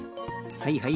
はいはい。